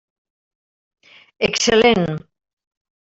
Excel·lent!